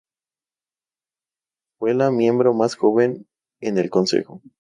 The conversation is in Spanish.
Fue la miembro más joven en el consejo.